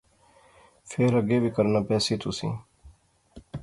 فیر اگے وی کرنا پہسی تسیں